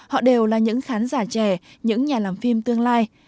họ đều là những khán giả trẻ những nhà làm phim tương lai